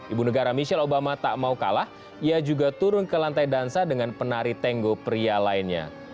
ibu negara michelle obama tak mau kalah ia juga turun ke lantai dansa dengan penari tengo pria lainnya